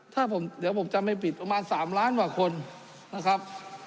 ถ้าผมเดี๋ยวผมจำไม่ผิดประมาณ๓ล้านกว่าคนนะครับ